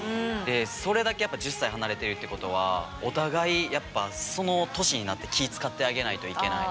それだけやっぱ１０歳離れてるってことはお互いやっぱその年になって気遣ってあげないといけない。